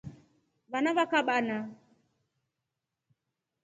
Vana va kabana.